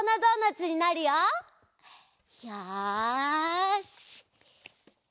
よし！